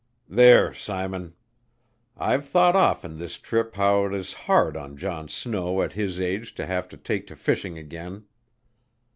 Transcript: "There, Simon. I've thought often this trip how 'tis hard on John Snow at his age to have to take to fishing again.